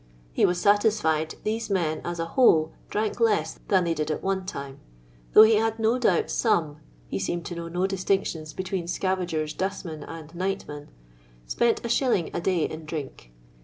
He was satisfied these men, as a whole, drank less than they did at one time; though he had no donbt some (he seemed to know no distinctions between scavagers, dustmen, and uightmen) spent Is. a day in drink.